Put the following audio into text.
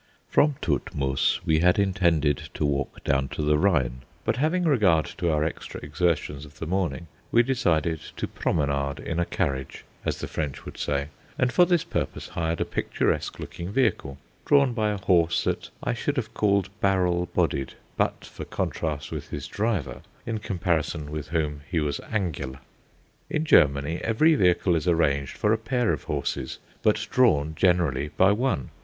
From Todtmoos we had intended to walk down to the Rhine; but having regard to our extra exertions of the morning, we decided to promenade in a carriage, as the French would say: and for this purpose hired a picturesque looking vehicle, drawn by a horse that I should have called barrel bodied but for contrast with his driver, in comparison with whom he was angular. In Germany every vehicle is arranged for a pair of horses, but drawn generally by one.